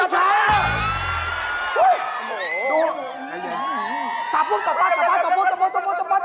หู้ยดู